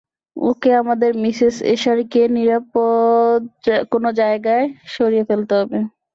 ওকে, আমাদের মিসেস এশার কে নিরাপদ কোন জায়গায় সরিয়ে ফেলতে হবে।